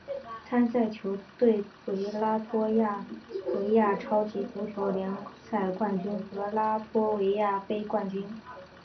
参赛球队为拉脱维亚超级足球联赛冠军和拉脱维亚杯冠军。